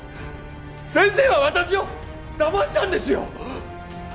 先生は私をだましたんですよ！